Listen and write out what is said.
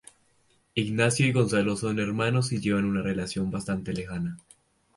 Ignacio y Gonzalo son hermanos y llevan una relación bastante lejana.